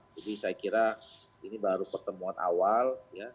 jadi saya kira ini baru pertemuan awal